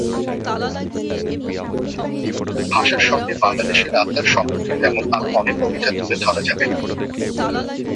ভাষার সঙ্গে বাংলাদেশের আত্মার সম্পর্কের এমন আরও অনেক অভিধা তুলে ধরা যাবে।